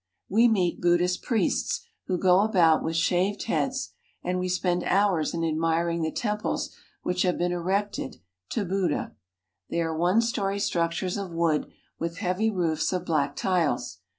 We meet Buddhist priests, who go about with shaved heads, and we spend hours in admiring the temples which have been erected to Buddha. They are one story struc tures of wood, with heavy roofs of black tiles.